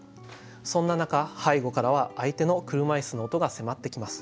そんな中背後からは相手の車いすの音が迫ってきます。